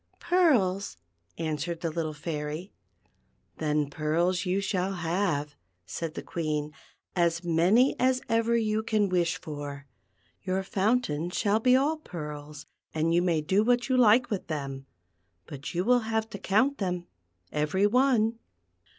" Pearls," answered the little Fairy. •'Then pearls you shall have," said the Queen, "as many as ever you can wish for. Your fountain shall be all pearls, and you may do what you lik^vith them ; but you will have to count them, every one."